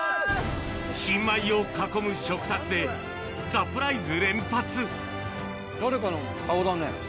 新米を囲む食卓で、サプライ誰かの顔だね。